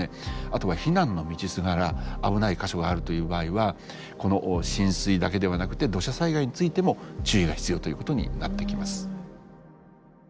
あとは避難の道すがら危ない箇所があるという場合はこの浸水だけではなくて土砂災害についても注意が必要ということになってきます。